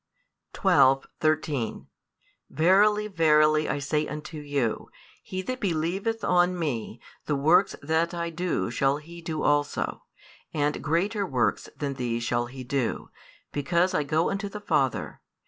12, 13 Verily, verily, I say unto you, He that believeth on Me, the works that I do shall he do also; and greater works than these shall he do; because I go unto the Father.